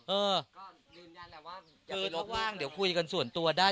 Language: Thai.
เออคือถ้าว่างเดี๋ยวคุยกันส่วนตัวได้